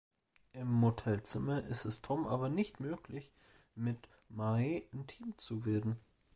Im Motelzimmer ist es Tom aber nicht möglich, mit Mae intim zu werden.